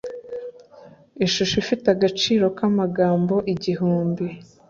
Ishusho ifite agaciro kamagambo igihumbi.